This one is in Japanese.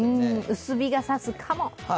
薄日が差すかも。